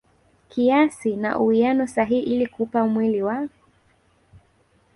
kiasi na uwiano sahihi ili kuupa mwili wa